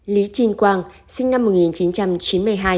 lý trinh quang sinh năm